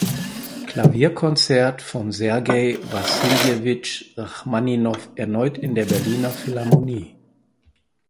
Klavierkonzert von Sergei Wassiljewitsch Rachmaninow erneut in der Berliner Philharmonie.